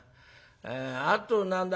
あと何だ